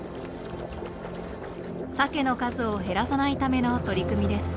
サケの数を減らさないための取り組みです。